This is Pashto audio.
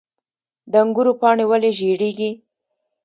د انګورو پاڼې ولې ژیړیږي؟